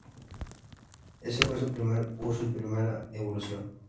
Ese fue su primer uso y primera evolución.